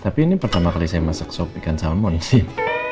tapi ini pertama kali saya masak sop ikan salmon sih